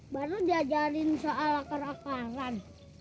baru diajarin soal akar akaran